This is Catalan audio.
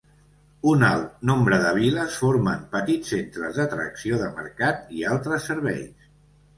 Un alt nombre de viles formen petits centres d'atracció de mercat i altres serveis.